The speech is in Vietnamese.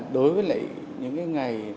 đối với những ngày